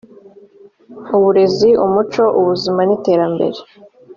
uburezi umuco ubuzima n iterambere